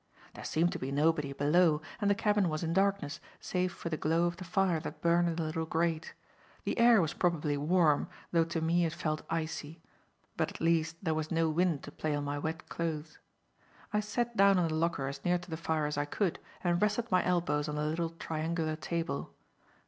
There seemed to be nobody below, and the cabin was in darkness, save for the glow of the fire that burned in the little grate. The air was probably warm, though to me it felt icy; but, at least, there was no wind to play on my wet clothes. I sat down on the locker as near to the fire as I could, and rested my elbows on the little triangular table.